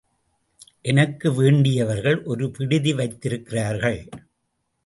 எனக்கு வேண்டியவர்கள் ஒரு விடுதி வைத்திருக்கிறார்கள்.